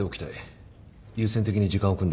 優先的に時間を組んでくれ。